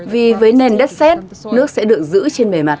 vì với nền đất xét nước sẽ được giữ trên bề mặt